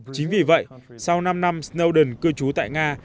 chính vì vậy sau năm năm snoden cư trú tại nga